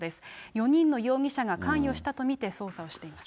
４人の容疑者が関与したと見て、捜査をしています。